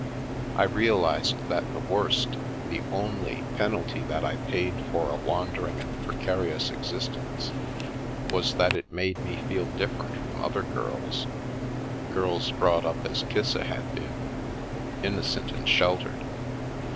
I realised that the worst — the only — pen An Epitaph alty that I paid for a wandering and precarious existence was that it made me feel different from other girls, girls brought up as Kissa had been, innocent and sheltered.